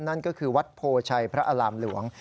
นั่นก็คือวัดโพชัยพระอารามหลวง